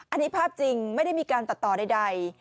อันนี้ภาพจริงไม่ได้มีการตัดต่อใด